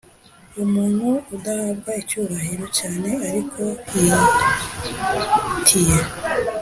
Umuntu udahabwa icyubahiro cyane ariko yi tiye